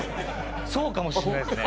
そうかもしんないですね。